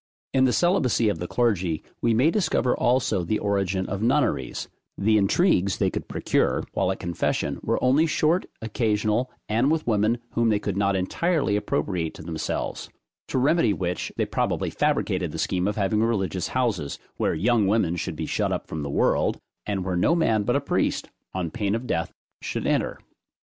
In the celibacy of the clergy, we may discover also the origin of nunneries; the intrigues they could procure, while at confession, were only short, occasional, and with women whom they could not entirely appropriate to themselves; to remedy which, they probably fabricated the scheme of having religious houses, where young women should be shut up from the world, and where no man but a priest, on pain of death, should enter.